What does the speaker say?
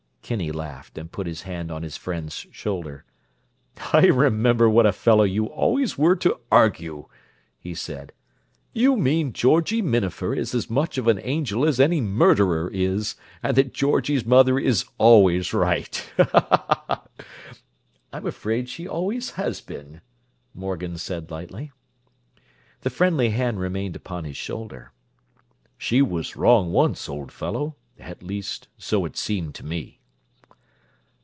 Kinney laughed, and put his hand on his friend's shoulder. "I remember what a fellow you always were to argue," he said. "You mean Georgie Minafer is as much of an angel as any murderer is, and that Georgie's mother is always right." "I'm afraid she always has been," Morgan said lightly. The friendly hand remained upon his shoulder. "She was wrong once, old fellow. At least, so it seemed to me."